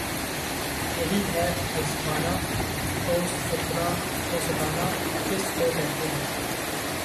یہی ہے آزمانا‘ تو ستانا کس کو کہتے ہیں!